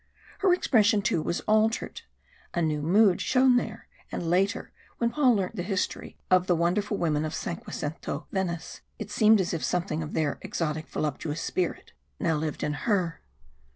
Her expression, too, was altered. A new mood shone there; and later, when Paul learnt the history of the wonderful women of cinquecento Venice, it seemed as if something of their exotic voluptuous spirit now lived in her.